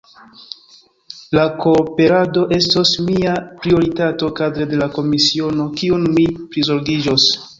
La kooperado estos mia prioritato kadre de la komisiono kiun mi prizorgiĝos.